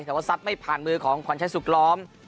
เพราะทรัพย์ไม่ผ่านมือของขวัญชัยสุกล้อม